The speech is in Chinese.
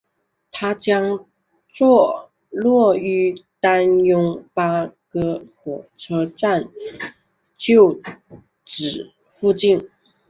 它将坐落于丹戎巴葛火车站旧址附近。